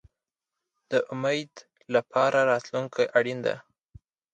د امید لپاره راتلونکی اړین دی